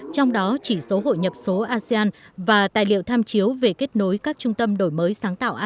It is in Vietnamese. trong đó chỉ số hội nhập số asean và tài liệu tham chiếu về kết nối các trung tâm đổi mới sáng tạo asean